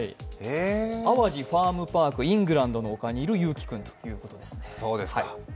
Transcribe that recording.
淡路ファームパークイングランドの丘にいるゆうきくんということです。